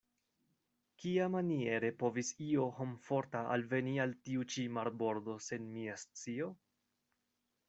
Kiamaniere povis io homforma alveni al tiu-ĉi marbordo sen mia scio?